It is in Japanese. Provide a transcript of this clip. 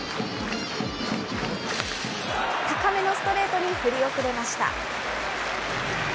高めのストレートに振り遅れました。